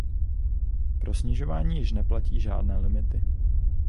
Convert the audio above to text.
Pro snižování již neplatí žádné limity.